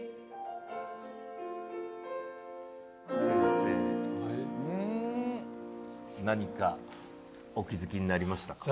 先生何かお気付きになりました？